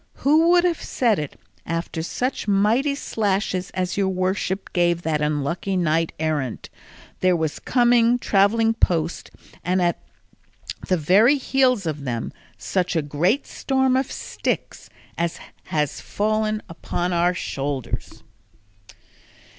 Who would have said that, after such mighty slashes as your worship gave that unlucky knight errant, there was coming, travelling post and at the very heels of them, such a great storm of sticks as has fallen upon our shoulders?"